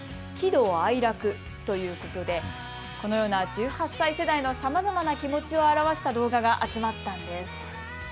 喜怒哀楽ということでこのような１８歳世代のさまざまな気持ちを表した動画が集まったんです。